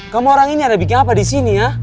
kamu orang ini ada bikin apa disini ya